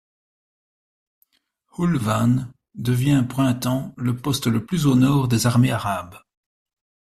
Hulwân devient pour un temps, le poste le plus au nord des armées arabes.